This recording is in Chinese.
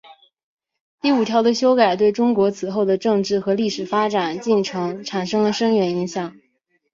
第五条的修改对中国此后的政治和历史发展进程产生了深远影响。